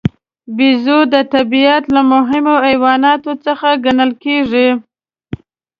بیزو د طبیعت له مهمو حیواناتو څخه ګڼل کېږي.